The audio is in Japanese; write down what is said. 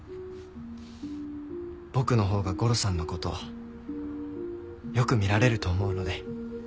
僕のほうがゴロさんの事よく見られると思うので。